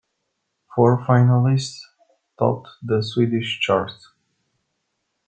Four finalists topped the Swedish charts.